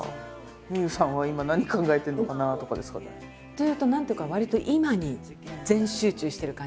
「妙憂さんは今何考えてるのかな？」とかですかね。というと何ていうかわりとそうですね。